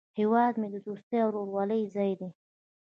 هیواد مې د دوستۍ او ورورولۍ ځای دی